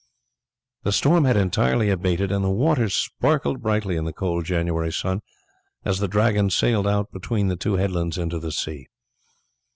The storm had entirely abated, and the waters sparkled brightly in the cold January sun as the Dragon sailed out between the two headlands into the sea.